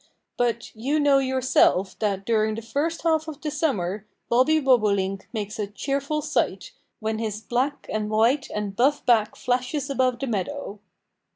But you know yourself that during the first half of the summer Bobby Bobolink makes a cheerful sight, when his black and white and buff back flashes above the meadow."